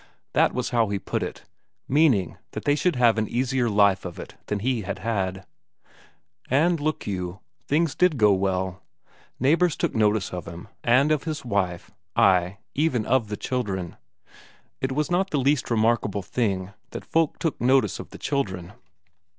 That was how he put it, meaning that they should have an easier life of it than he had had. And look you, things did go well; neighbours took notice of him, and of his wife ay, even of the children. It was not the least remarkable thing, that folk took notice of the children.